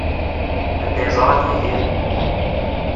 Anda ay ẓran Yidir?